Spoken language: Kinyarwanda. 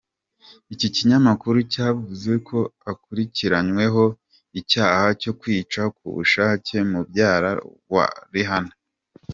Iki kinyamakuru cyavuze ko akurikiranyweho icyaha cyo kwica ku bushake mubyara wa Rihanna.